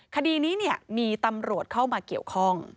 คดีนี้มีตำรวจเข้ามาเกี่ยวข้อง